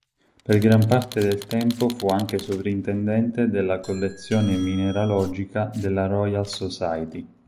Per gran parte del tempo fu anche sovrintendente della collezione mineralogica della Royal Society.